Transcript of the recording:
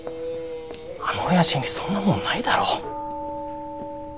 あの親父にそんなもんないだろう。